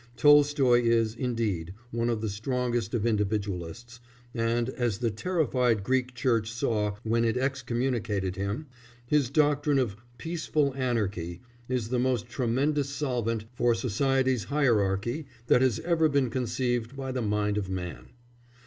Tolstoy is, indeed, one of the strongest of individualists, and, as the terrified Greek Church saw when it excommunicated him, his doctrine of "peaceful anarchy" is the most tremendous solvent for society's hierarchy that has ever been conceived by the mind of man.